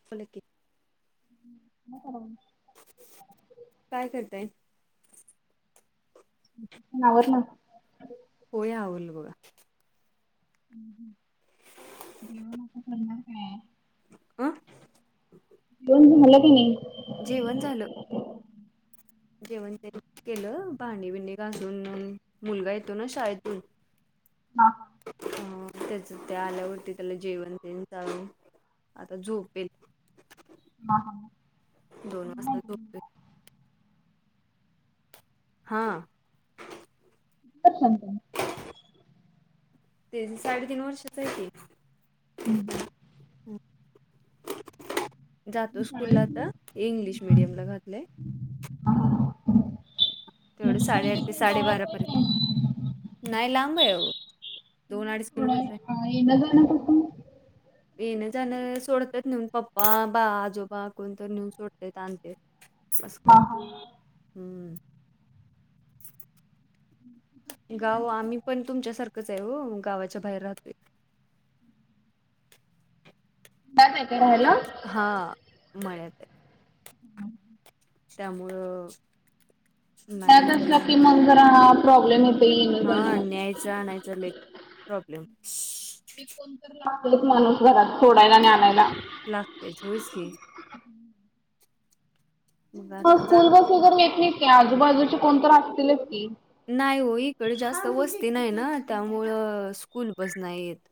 आपला क म कर. काय करताय? ण आवर ना. हो आवल ग ब जीवन कर का अ. दोन झालं की नाही. जेवण झालं. जेवण त्यां केलं भांडी बिंडी घासून मुलगा येतो ना शाळेतून हा हा हा. त्याच त्या आल्यावरती त्याला जेवण देन जावे आता झोपेल. ह. दोन वाजता. हा करंत ते साडेतीीन वर्षाच आहे ते हम्म जातो शाळेत स्कूलला तर इंग्लिश मिीडियम ला घातलंय तेवढं मग स्कूल साडेआठ ते तिथून जवळच साडेबारा आहे काय? पर्यंत नाही लांब आहे दोन अडीच किलोमीटर आहे थोडं येणं जाणं कसं? येणं जाणं सोडत्यात न्हेऊन पप्पा बा आजोबा कोण तर न्हेऊन सोडत्यात हा आणत्यात हा [unintelligible] हम्म गाव आम्ही पण तुमच्यासारखंच आहे हो गावाच्या बाहेर राहतोय बायर जायचंय राहायला हा मळ्यातय त्यामुळं नाही मळ्यात असला त्याला की मग जरा हा प्रॉब्लेम येत हा न्यायच आणायच लय प्रॉब्लेम मग कोणतरी लागतयच माणूस घरात सोडायला आणि आणायला लागतयच होयच की मग ह आता जात स्कूल बस वगर नेत्यात की आजूबाजूची कोणत असतीलच की नाही ओ इकडं जास्त वस्ती नाही ना त्यामुळं स्कूल बस नाही येत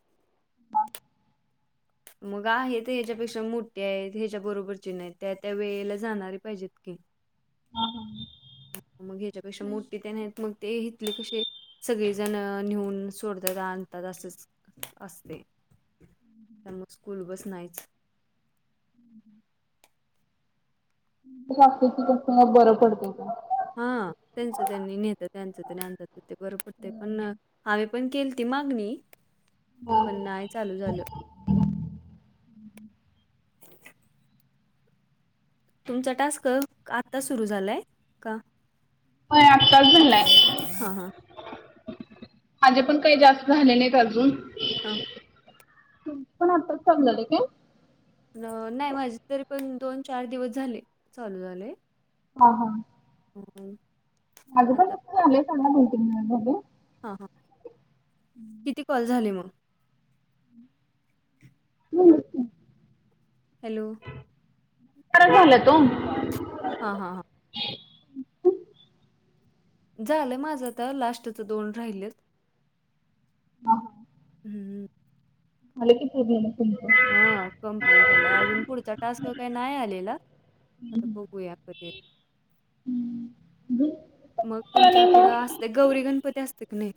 मग आहे ते ह्याच्यापेक्षा मोठी आहेत ह्याच्या बरोबरची नाहीत त्या त्या वेळेला जाणारी पाहिजेत की हा हा. मग ह्याच्यापेक्षा मोठे त्या नाहीत मग ते हितले कसे सगळीजणं न्हेऊन सोडतात आणतात असच असते त्या मग स्कूल बस नाहीच [inaudible] [unintelligible] कसं बरं पडतेय का हा त्यांचं त्यांनी न्हेत्यात त्यांच त्यानी आणत्यात ते बरं पडतंय पण हावे पण केल्ति मागणी पण नायत चालू झालं तुमचा टास्क आत्ता सुरू झालाय का होय आत्ताच झालाय हां, हां, माझे पण काही जास्त झाले नाहीत अजून हां. तुमचं पण आत्ताच चालू झालंय काय न नाही माझे तरी पण दोन चार दिवस झाले चालू झालंय हा हा हो माझं पण आता झालंय चांगला [unintelligible] हा हा किती कॉल झाले मग [inaudible] हॅलो [unintelligible] हा हा ह झालंय माझं आता लास्टचं दोन राहिलेत [inaudible] हम्म आले किती [unintelligible] हा कम्प्लीट झालं अजून पुढचा टास्क काय नाय आलेला आता बघूया कधी ये झालं मग नाही तुमच्याकडं मग असते गौरी गणपती असते का नाही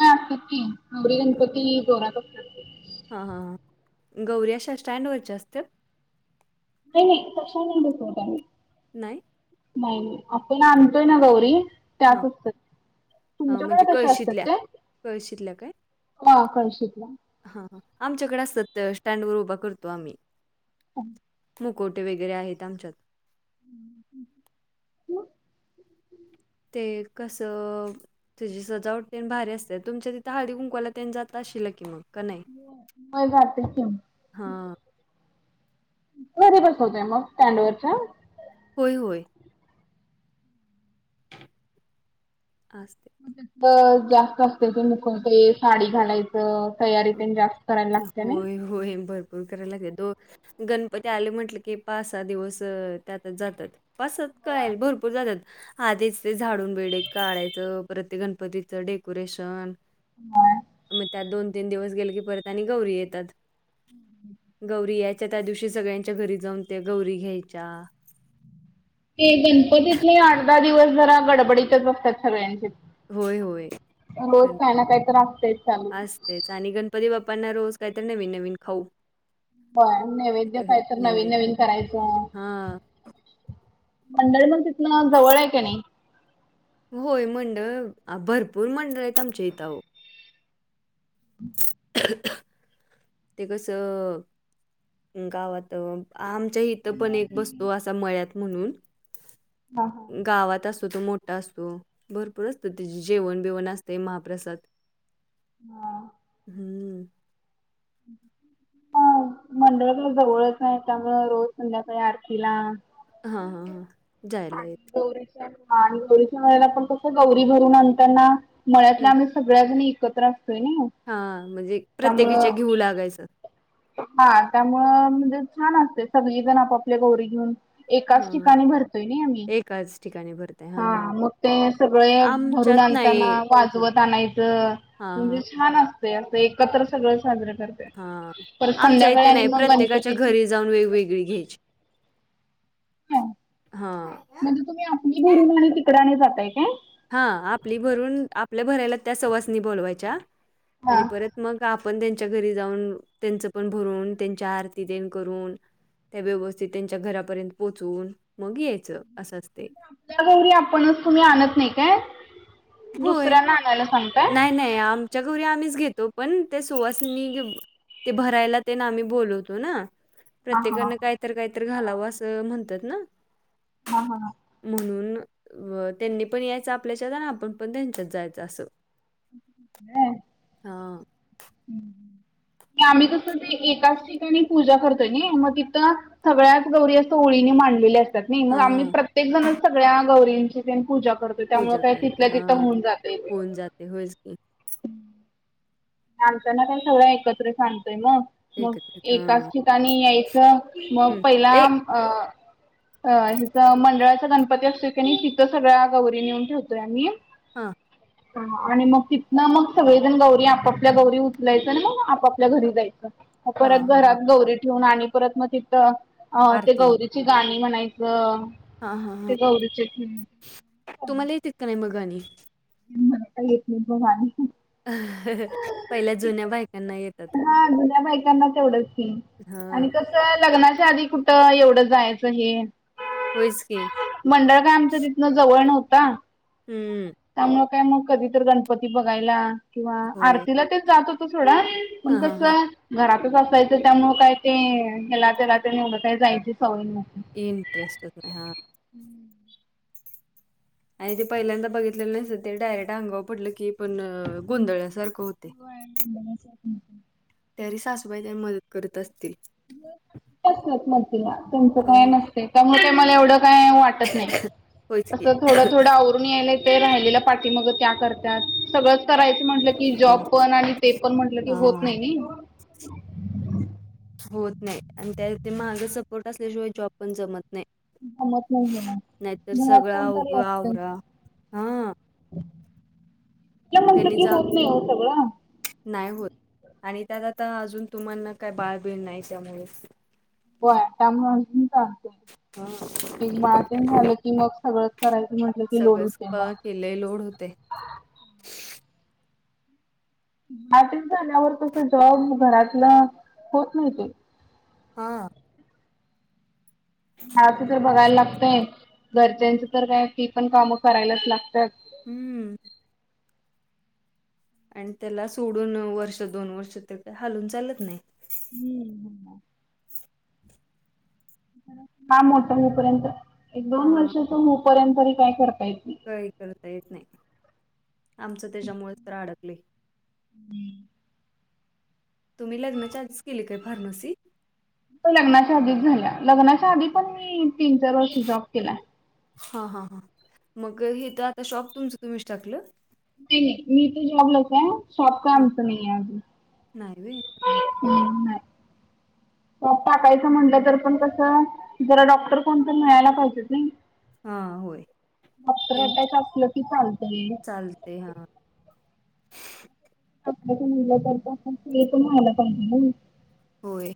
हा असत्यात की गौरी गणपती जोरात असत्यात हां हां हां गौरी अशा स्टँडवरच्या असत्यात नाय नाय तशा नाय बसवत आम्ही नाय. नाय आपण आणतोय ना गौरी हां. त्याच असत्यात. अ, म्हणजे तुमच्याकडे कश्या कळशीतल्या असत्याते हा कळशितल्या. हा हा आमच्याकड असतात स्टँड वर उभा करतो आम्ही. हा. मुकोटे वगैरे आहेत आमच्यात. हम् [inaudible] ते कसं. तुझी सजावट भारी असते तुमच्यािथं हाडी कुंकला जात असशिल की मग. का नाही? होय जातोय की. हां. घरी बसवतय मग स्टँड वरच्या. होय होय. असतंय. त जास्त असत्यात ते मुकळते साडी घालायचं तयारी ते जास्त. करायला लागते ना. होय होय भरपूर करायला लागेल दो गणपती आले म्हटलं की पाच सहा दिवस त्यातच जातात. पाच सात होय. काय भरपूर जातात. आधीच ते झाडून बेडे काढायचं प्रत्यक गणपतीचं डेकोरेशन. होय. मग त्यात दोन तीन दिवस गेले की परत आणि गौरी येतात. गौरी यायच्या त्या दिवशी सगळ्यांच्या घरी जाऊन ते गौरी घ्यायच्या. ते गणपतीतले अठ दहा दिवस जरा गडबडीतच असतात सगळ्यांचे. होय, होय. रोज काही ना काही तर असतय चालू. तेच आणि गणपती बाप्पांना रोज काहीतरी नवीन नवीन खाऊ. होय नैवेद्य का तरी नवीन नैवेद्य. नवीन करायचं. हां. मंडळ मग तिथन जवळ आहे क नाही. होय मंडळ अ भरपूर मंडळ आहेत आमच्या इथं अहो. [inaudible] ते कस गावात आमच्या इ इथं पण एक बसतो असा मळ्यात म्हणून. हा हा. गावात असतो तो मोठा असतो भरपूर असतो त्या जेवण बेवण असतेंय महाप्रसाद. हा. हम्म. ह [inaudible] ह मंडळ जवळच आहे त्यामुंळ रोज संध्याकाळी आरतीला. हा हा हा जायला आणि येत. गौरीच्या मला पण कस गौरी भरून आणताना मळत आम सगळ्याजण एकत्र असतोय नाय. हा म्हणजे प्रत्येकीच्या घेऊ लागायचं. हा त्यामुळं म्हणजे छान असते सगळीजण आपापल्या गौरी घेऊन. एकाच हां, ठिकाणी भरतोय नाही आम्ही एकाच ठिकाणी भरताय हां, हां. हा मग ते. सगळे भरून आमच्यात नाही आणताना. वाजवत आणायचं हां, म्हणजे छान असतंय असं एकत्र सगळं साजरं करत्यात. हा आमच्या इथे नाही प्रत्येकाच्या गणपतीची घरी. जाऊन वेगवेगळी घ्याची हा. हा. म्हणजे तुम्ही आपली घरून [unintelligible] आणि तिकडाने जाताय का हा आपली भरून आपल्या भरायला त्या सवासनी बोलवायच्या हा आणि परत. मग आपण त्यांच्या घरी जाऊन त्यांचं पण भरून त्यांच्या आरती देन करून. त्या व्यवस्थित त्यांच्या घरापर्यंत पोहोचवून मग यायचं असं असते. आपल्या गैरी आपणच तुम्ही आणत नाही काय होय. दुसऱ्यांना आणायला सांगता. नाही नाही आमच्या गौरी आम्हीच घेतो पण ते सुवासनी ते भरायला ते ना आम्ही बोलवतो ना हां हां प्रत्येकान कायतरं कायतरं घालावं असं म्हणतात ना हा हा ह म्हणून त्यांनी पण यायचं आपल्याच्यात आणि आपण पण त्यांच्यात जायचं असं हम् हा आम्ही कस ते एकाच ठिकाणी पूजा करतोय नी मग तिथं सगळ्याच गौरी असं ओळीने मांडलेली असतात नाही मग आम्ही हां. प्रत्येक जण सगळ्या गौरींची पूजा करतो त्यामुळे काही तिथल्या तिथं होऊन जातंय ते जातंय होय हो आमच्याना काय सगळं एकत्र सांगतोय मग मग एकत्रच. एकाच हां. ठिकाणी यायचं मग हं. पहिला ए अ अ हिचं मंडळाचा गणपती असतोय कणी तिथं सगळ्या गौरी नेऊन ठेवतोय आम्ही हा आणि मग तिथन मग सगळेजण गौरी आपण आपल्या गौरी उचलायचं आणि मग आपापल्या घरी जायचं परत हां, हां, हां. घरात गौरी ठेवून आणि त मग तिथं अ ते आरती. गौरीची गाणी म्हणायचं हां, हां, ते हां. गौरीच ठेऊन तरी मग गाणी मला काय येतं नाही बा गाणी अं पहिल्या जुन्या बायकांना येतात हा जुन्या बायकांना तेवढंच की हा आणि लग्नाच्या आधी कुठं एवढं जायचं हे होयच की मंडळ का आमचं तिथनं जवळ नव्हता हम् त्यामुळ काय मग कधी तर गणपती बघायला किंवा होय. आरतीला तेच जात होतो सोडा पण हां, हां, कस हां. घरातच असायचं त्यामुळ काय ते ह्याला त्याला ते एवढा काही जायची सवय नव्हती इंटरेस्ट नाही हा आणि ते पहिल्यांदा बघितलेल नसतं ते डायरेक्ट अंगावर पडलं की पण गोंधळसारखं होतय [inaudible] तरी सासूबाई त्यांना मदत करत असतील तुमचं काय हां. नसतय त्यामुळं तुम्हांला एवढं काय वाट नाही होयच अस की. थोडं थोडं आवरून यायला ते राहिलेला पाठी मग त्या करतात सगळंच करायच म्हटलं की जॉब पण आणि ते पण म्हटलं की होत हां. नाही नाही नी होत नाही आणि त्या माग सपोर्ट असल्याशिवाय जॉब पण जमत नाही जमत नाही म्हणा नाहीतर घरात सगळं कोणतरी अवघं लागत आवरा. हां. त्या म्हंत त्यांनी की जा होत नाही हो सगळं नाही होत आणि त्यात आता अजून तुम्हाना काय बाळबीण नाही त्यामुळेच हो त्यामुळे आणखीन हा चालतय एक बाळ तेन झालं की मग सगळं करायचं म्हटलं कि लोडवते मग ते लोड होतय बाळ तेन झाल्यावर तस जॉब घरातलं होत नाही ते हा घरच्याच तर काय ती पण कामं करायलाच लागतात हम्म आणि त्याला सोडून वर्ष दोन वर्ष ते का हालून चालत नाही. हम्म ह. हा मोठा हो पर्यंत एक दोन हा वर्ष त हो पर्यंत ह काय करता येत नाही. काही करता येत नाही आमचं त्याच्यामुळेच तर अडकले. हम्म. तुम्ही लग्न चा्स केली काय फार्मसी लग्नाच्या आधीच झाल्या लग्नाच्या आधी पण मी तीन चार वर्ष जॉब केलाय. हा हा ह मग हे तर आता शॉप तुमचं तुम्हीच टाकलं. नाही नाही मी तर जॉबलाच आहे शॉप काय हा आमचं नाही आहे अजून नाही होय. हम्. टाकायचं म्हणलं तर पण कस जरा डॉक्टर कोणत मिळायला पाहिजेेत नाही. हा, होय. डॉक्टर असलं की चालतय. ते हा. कपड नि करता ते होय.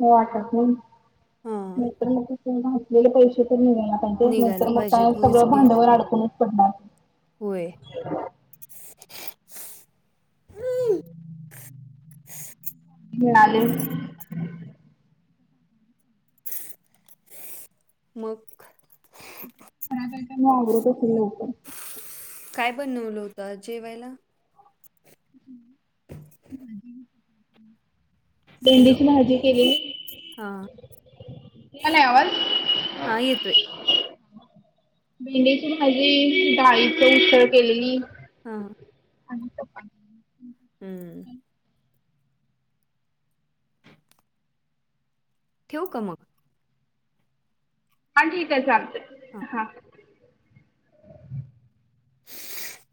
वाटत हा नाही तर घातलेले पैसे तरी मिळणारं तेच निघायला नंतर मग का पाहिजेत होयच सगळं की भांडवल अडकूनच पडणार. होय. मिळाले. मग आवर्त अवस्थेत लवकर काय बनवल होत आज जेवायला ह. हॅलो हा. आवाज हा येतोय भेंडीची भाजी डाळीच उसळ केलेली हा ह आणि हम्म. ठेवू का मग हां ठीक आहे चालते हां. हा. [unintelligible]